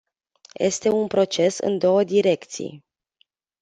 Este un proces în două direcții.